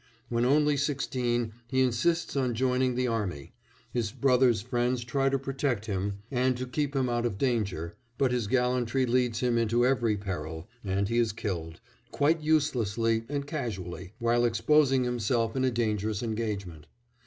When only sixteen he insists on joining the army: his brother's friends try to protect him and to keep him out of danger, but his gallantry leads him into every peril, and he is killed, quite uselessly and casually, while exposing himself in a dangerous engagement.